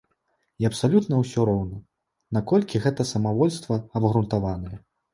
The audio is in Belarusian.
І абсалютна ўсё роўна, наколькі гэта самавольства абгрунтаванае.